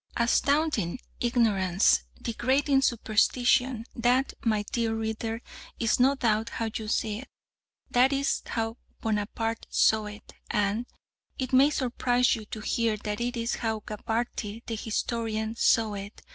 Astounding ignorance! Degrading superstition! That, my dear reader, is no doubt how you see it. That is how Bonaparte saw it, and, it may surprise you to hear, that is how Gabarty the historian saw it.